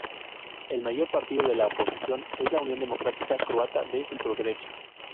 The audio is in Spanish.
El mayor partido de la oposición es la Unión Democrática Croata de centroderecha.